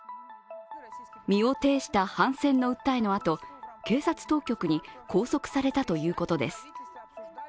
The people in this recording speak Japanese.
身をていした反戦の訴えのあと警察当局に拘束されたということです。